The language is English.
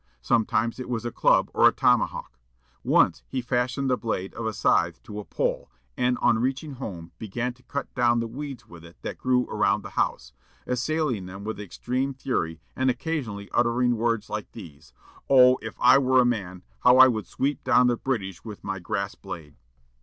Sometimes it was a club or a tomahawk. Once he fastened the blade of a scythe to a pole, and, on reaching home, began to cut down the weeds with it that grew about the house, assailing them with extreme fury, and occasionally uttering words like these, 'Oh, if I were a man, how I would sweep down the British with my grass blade!'"